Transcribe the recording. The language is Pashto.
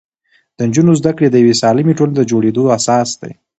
د نجونو زده کړې د یوې سالمې ټولنې د جوړېدو اساس دی.